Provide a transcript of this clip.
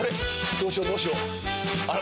どうしようどうしようあら？